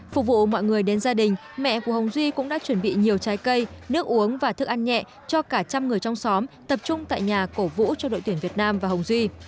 phục vụ mọi người đến gia đình mẹ của hồng duy cũng đã chuẩn bị nhiều trái cây nước uống và thức ăn nhẹ cho cả trăm người trong xóm tập trung tại nhà cổ vũ cho đội tuyển việt nam và hồng duy